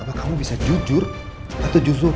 apakah kamu bisa jujur atau justru